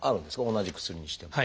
同じ薬にしても。